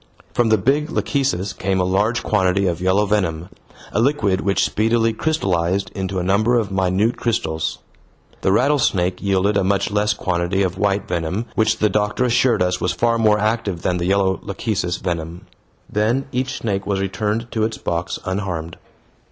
From the big lachecis came a large quantity of yellow venom, a liquid which speedily crystallized into a number of minute crystals. The rattlesnake yielded a much less quantity of white venom, which the doctor assured us was far more active than the yellow lachecis venom. Then each snake was returned to its box unharmed.